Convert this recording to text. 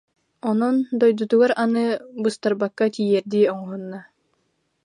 Онон дойдутугар аны быстарбакка тиийэрдии оҥоһунна